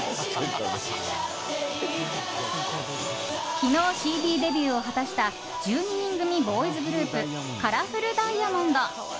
昨日、ＣＤデビューを果たした１２人組ボーイズグループカラフルダイヤモンド。